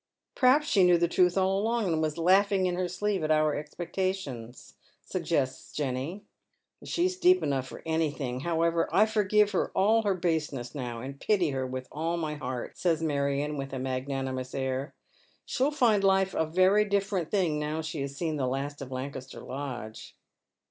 " Perhaps she knew the truth all along, and was laughing in her sleeve at our expectations," suggests Jenny. " She's deep enough for anything, However, I forgive her all her baseness now, and pity her with all my heart," says Marion, with a magnanimous air. " Slie'U find life a very diflieront thing now she has seen the last of Lancaster Lodge."